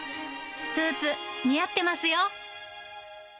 スーツ、似合ってますよ。